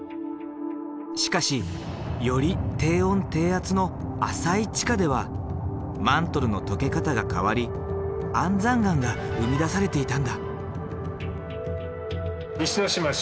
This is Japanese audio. しかしより低温低圧の浅い地下ではマントルの溶け方が変わり安山岩が生み出されていたんだ。